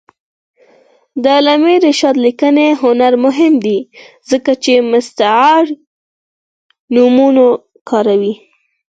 د علامه رشاد لیکنی هنر مهم دی ځکه چې مستعار نومونه کاروي.